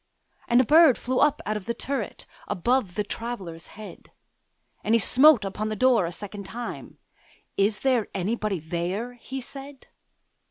And a bird flew up out of the turret, Above the Traveller's head: And he smote upon the door again a second time; 'Is there anybody there?' he said.